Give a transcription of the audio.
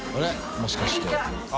もしかして？